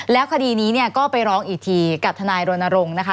แล้วคดีนี้เนี่ยก็ไปร้องอีกทีกับทนายรณรงค์นะคะ